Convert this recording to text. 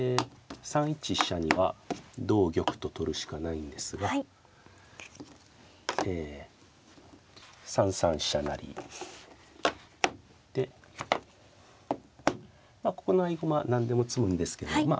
３一飛車には同玉と取るしかないんですがえ３三飛車成でまあここの合駒何でも詰むんですけどま